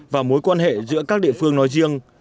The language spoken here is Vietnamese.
và mối quan hệ giữa các địa phương nói riêng